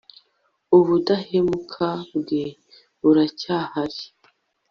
Ubudahemuka bwe buracyahari